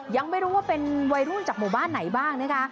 ยังไม่รู้ว่าเป็นวัยรุ่นจากโบบาทไหนบ้างเนี่ยคะ